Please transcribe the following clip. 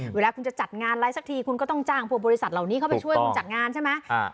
เวลาคุณจะจัดงานอะไรสักทีคุณก็ต้องจ้างพวกบริษัทเหล่านี้เข้าไปช่วยคุณจัดงานใช่ไหม